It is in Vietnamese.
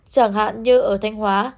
chẳng hạn như ở thanh hóa